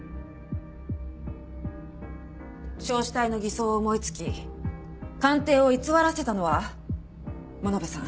焼死体の偽装を思いつき鑑定を偽らせたのは物部さん